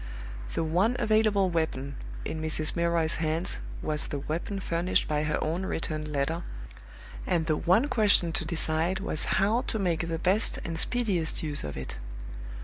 The one available weapon in Mrs. Milroy's hands was the weapon furnished by her own returned letter, and the one question to decide was how to make the best and speediest use of it.